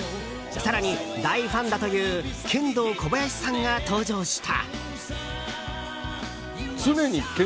更に大ファンだというケンドーコバヤシさんが登場した。